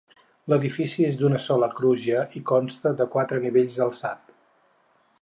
L'edifici és d'una sola crugia i consta de quatre nivells d'alçat.